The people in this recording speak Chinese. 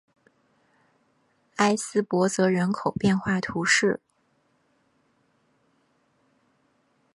埃斯珀泽人口变化图示